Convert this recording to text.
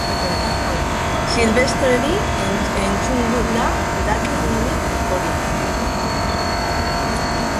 Silvestreri entzunda dakit nik hori.